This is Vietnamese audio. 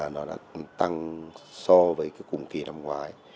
nó đã tăng so với cùng kỳ năm ngoái